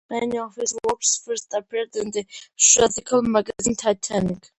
Many of his works first appeared in the satirical magazine "Titanic".